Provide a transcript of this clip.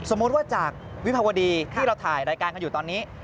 สมมุติว่าจากวิภาวดีที่เราถ่ายรายการกันอยู่ตอนนี้